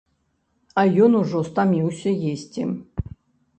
А ён ужо стаміўся есці!